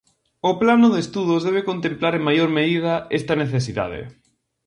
O plano de estudos debe contemplar en maior medida esta necesidade.